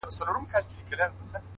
وخت د ارمانونو ریښتینولي ازموي؛